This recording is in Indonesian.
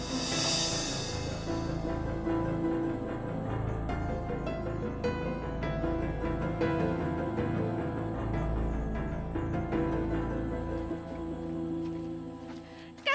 saya kurasa kamu berdua pak